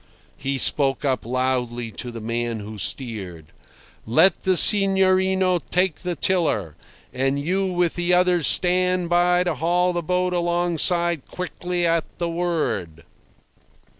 He spoke up loudly to the man who steered. "Let the signorino take the tiller, and you with the others stand by to haul the boat alongside quickly at the word."